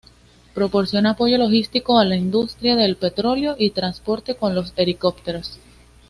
Proporciona apoyo logístico a la industria del petróleo y transporte con los helicópteros.